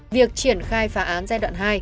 việc triển khai phá án giai đoạn hai